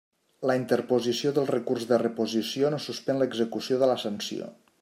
La interposició del recurs de reposició no suspèn l'execució de la sanció.